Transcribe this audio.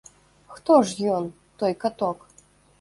Хто ж ён, той каток?